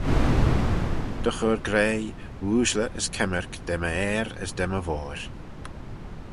Dy chur graih, ooashley as kemmyrk da m'ayr as da my voir.